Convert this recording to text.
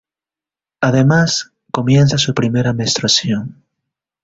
Además, comienza su primera menstruación.